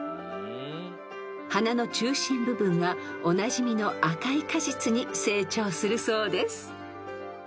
［花の中心部分はおなじみの赤い果実に成長するそうです］